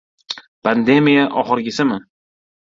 Pandemiya oxirgisimi?